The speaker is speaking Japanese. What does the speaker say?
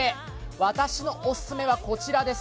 私のオススメはこちらです。